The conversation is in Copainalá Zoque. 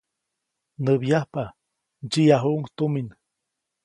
Näbyajpa, ndsyiʼyajuʼuŋ tumin.